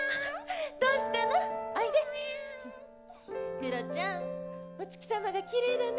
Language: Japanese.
クロちゃんお月様がきれいだね。